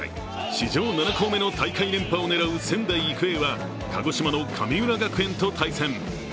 史上７校目の大会連覇を狙う仙台育英は鹿児島の神村学園と対戦。